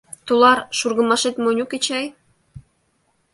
— Тулар, шургымашет монь уке чай?